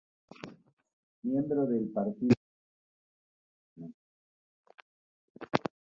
Miembro del Partido Liberal Republicano.